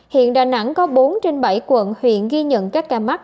hiện đà nẵng có bốn trên bảy quận huyện ghi nhận các ca mắc